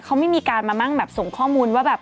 เขาไม่มีการมามั่งแบบส่งข้อมูลว่าแบบ